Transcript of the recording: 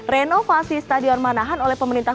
renovasi stadion manahan oleh pemerintah